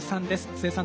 須江さん